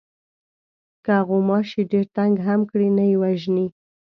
که غوماشی ډېر تنگ هم کړي نه یې وژنې.